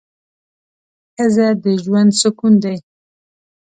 ښځه د ژوند سکون دی